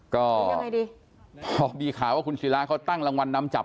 ก็บอกดีค่ะว่าคุณศิราเขาตั้งรางวัลนำจับ